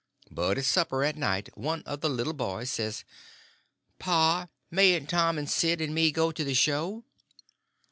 But at supper, at night, one of the little boys says: "Pa, mayn't Tom and Sid and me go to the show?"